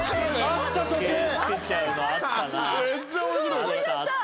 めっちゃ面白いこれ。